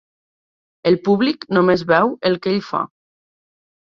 El públic només veu el que ell fa.